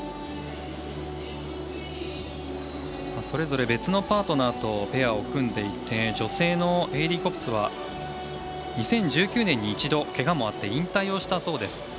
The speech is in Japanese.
それぞれ別のパートナーとペアを組んでいて女性のヘイリー・コプスは２０１９年に一度、けがもあって引退をしたそうです。